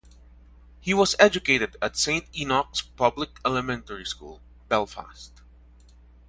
He was educated at Saint Enoch's Public Elementary School, Belfast.